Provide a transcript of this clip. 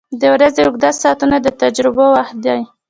• د ورځې اوږده ساعته د تجربو وخت دی.